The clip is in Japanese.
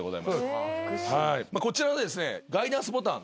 こちらはですね。